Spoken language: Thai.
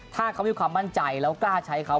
ถ้าเขามีความมั่นใจแล้วกล้าใช้เขา